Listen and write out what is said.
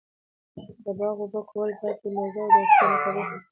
د باغ اوبه کول باید په اندازه او د اړتیا مطابق و سي.